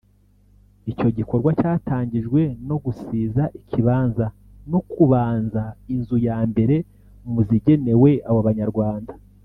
Icyo gikorwa cyatangijwe no gusiza ikibanza no kubanza inzu ya mbere mu zigenewe abo banyarwanda